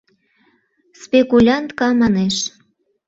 Спекулянтка манеш.